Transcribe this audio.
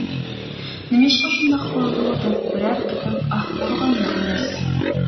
نېمىشقا شۇنداق بولىدۇ دەپ بىرەر قېتىم ئاھ ئۇرغانمۇ ئەمەس.